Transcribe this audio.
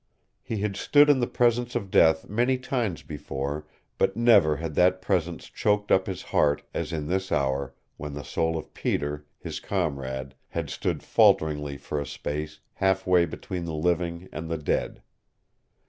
He had stood in the presence of death many times before but never had that presence choked up his heart as in this hour when the soul of Peter, his comrade, had stood falteringly for a space half way between the living and the dead.